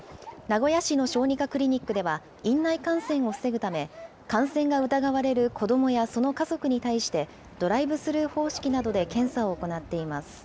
名古屋市の小児科クリニックでは院内感染を防ぐため、感染が疑われる子どもやその家族に対して、ドライブスルー方式などで検査を行っています。